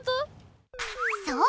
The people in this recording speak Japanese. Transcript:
そう！